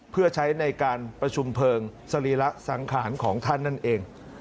เพื่อใช้ในการประชุมเพลิงสรีระสังขารของท่านนั่นเอง